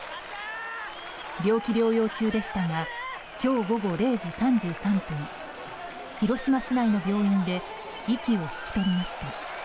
病気療養中でしたが今日午後０時３３分広島市内の病院で息を引き取りました。